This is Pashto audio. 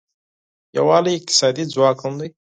یووالی اقتصادي ځواک هم دی.